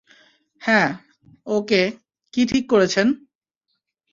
হ্যাঁঁ, ওকে- কি ঠিক করেছেন?